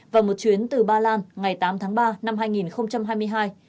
và một chuyến từ ba lan ngày tám tháng ba năm hai nghìn hai mươi hai